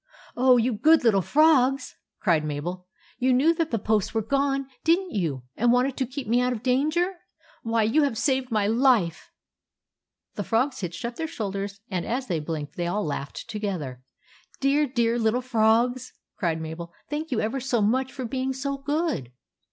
" Oh, you good little frogs !" cried Mabel. " You knew that the posts were gone, did n't you, and wanted to keep me out of danger ? Why, you have saved my life !" The frogs hitched up their shoulders, and as they blinked they all laughed together. " Dear, dear little frogs !" cried Mabel. "Thank you ever so much for being so good